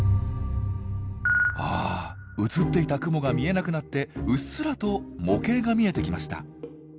あ映っていた雲が見えなくなってうっすらと模型が見えてきました。